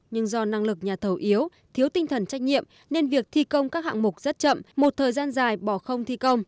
nhưng do năng lực nhà thầu yếu thiếu tinh thần trách nhiệm nên việc thi công các hạng mục rất chậm một thời gian dài bỏ không thi công